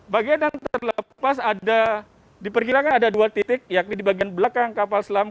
bagian yang terlepas ada diperkirakan ada dua titik yakni di bagian belakang kapal selam